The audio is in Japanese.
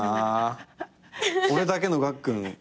俺だけのがっくん